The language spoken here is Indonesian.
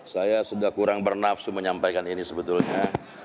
saya sudah kurang bernafsu menyampaikan ini sebetulnya